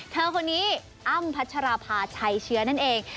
เธอคนนี้อ้ำพัชราภาชัยเชื้อนั่นเอง